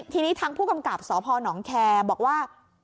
ทีนี้ทางผู้กำกับสพนแคร์บอกว่า